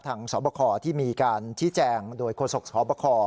สอบคอที่มีการชี้แจงโดยโฆษกสบค